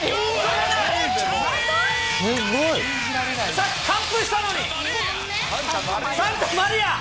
さっき完封したのに、サンタマリア。